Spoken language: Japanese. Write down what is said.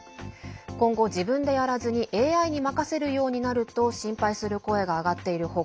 今後、自分でやらずにＡＩに任せるようになると心配する声が上がっている他